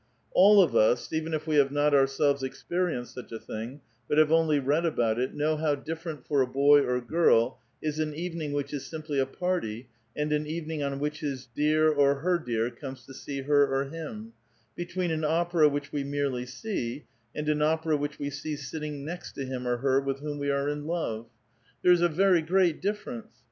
All of us, even if we have not ourselves experienced such a thing, but have only read about it, know how different for a hoy or girl is an evening which is simply a party and an evening on which his dear or her dear comes to see her or him ; between an opera w^hich we merely see and an opera which we see sitting next him or her with whom we arc in love. There is a very great difference.